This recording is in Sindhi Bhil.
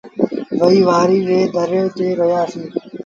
وهي وآريٚ ري ڌڙي تي رهيآ سيٚݩ۔